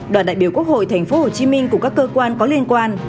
đoàn đại biểu quốc hội thành phố hồ chí minh cùng các cơ quan có liên quan